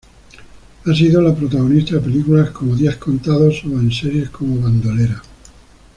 Ha sido la protagonista de películas como "Días contados" o en series como "Bandolera".